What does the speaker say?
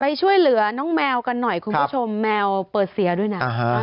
ช่วยเหลือน้องแมวกันหน่อยคุณผู้ชมแมวเปิดเสียด้วยนะ